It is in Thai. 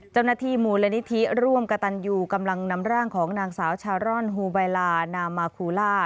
เจ้าหน้าที่มูลนิธิร่วมกระตันยูกำลังนำร่างของนางสาวชาร่อนฮูไบลานามาคูล่า